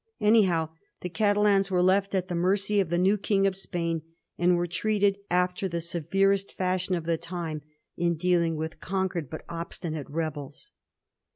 Anyhow, the Catalans were left at the mercy of the new King of Spain, and were treated after the severest fcshion of the time in dealing with conquered but obstinate rebels.